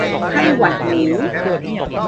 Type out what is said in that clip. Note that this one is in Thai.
ไข้หวัดหมู